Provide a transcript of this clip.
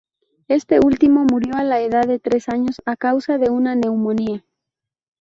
Este último murió a la edad de tres años a causa de una neumonía.